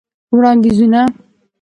وړاندیزونه :